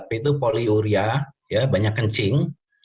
tiga p itu poliuria banyak kencing